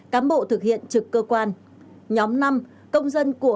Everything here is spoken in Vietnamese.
cụ thể như sau